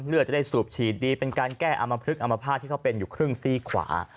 จะได้สูบฉีดดีเป็นการแก้อามพลึกอมภาษณ์ที่เขาเป็นอยู่ครึ่งซี่ขวา